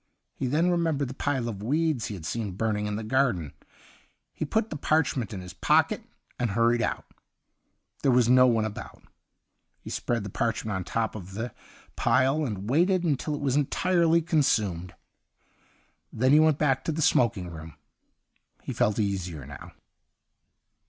He then remembered the pile of weeds he had seen burning in the garden, He put the parch ment in his pocket, and hurried out. There was no one about. He spread the parchment on the top of the pilcj and waited until it was entirely consumed. Then he went back to the smoking room ; he felt easier now.